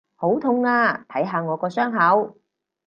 好痛啊！睇下我個傷口！